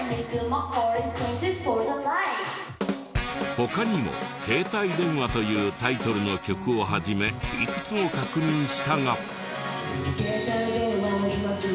他にも『携帯電話』というタイトルの曲を始めいくつも確認したが。